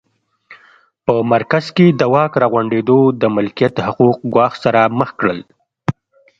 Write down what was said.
په مرکز کې د واک راغونډېدو د ملکیت حقوق ګواښ سره مخ کړل